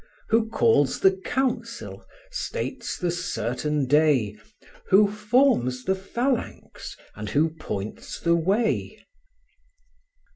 Who calls the council, states the certain day, Who forms the phalanx, and who points the way?